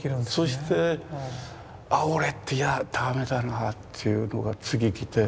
そしてああ俺っていや駄目だなというのが次来て。